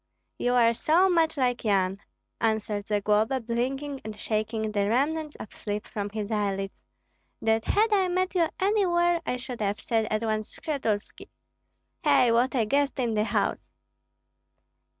"You are so much like Yan," answered Zagloba, blinking and shaking the remnants of sleep from his eyelids, "that had I met you anywhere I should have said at once, 'Skshetuski!' Hei, what a guest in the house!"